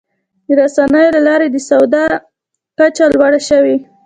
د رسنیو له لارې د سواد کچه لوړه شوې.